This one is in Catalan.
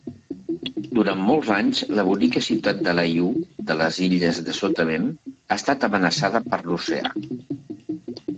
Durant molts anys la bonica ciutat de Layou de les illes de Sotavent ha estat amenaçada per l'oceà.